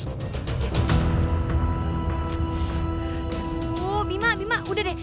oh bima bima udah deh